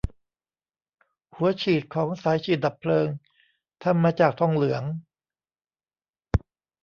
หัวฉีดของสายฉีดดับเพลิงทำมาจากทองเหลือง